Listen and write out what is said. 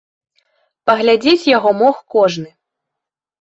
Паглядзець яго мог кожны.